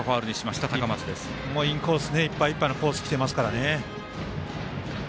インコースいっぱいいっぱいのコースきていますからね。